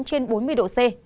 nắng nóng trên bốn mươi độ c